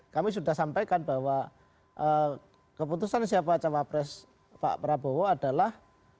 kami sudah sampaikan bahwa keputusan siapa cawapres pak prabowo adalah